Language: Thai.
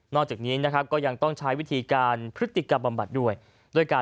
นอกจากนี้ก็ช่องใช้วิธีการพฤติกรรมบำบัดด้วยด้วยการ